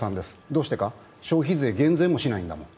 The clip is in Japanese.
どうしてか、消費税減税もしないんだもん。